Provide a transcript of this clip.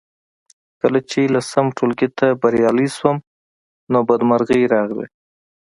کله چې لسم ټولګي ته بریالۍ شوم نو بدمرغۍ راغلې